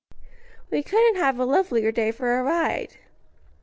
"We couldn't have a lovelier day for a ride."